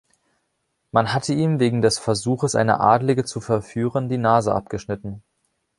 Man hatte ihm wegen des Versuches, eine Adlige zu verführen, die Nase abgeschnitten.